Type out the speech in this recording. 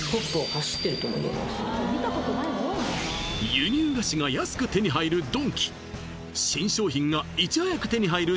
輸入菓子が安く手に入るドンキ新商品がいち早く手に入る